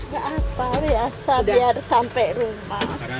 gak apa apa biasa biar sampai rumah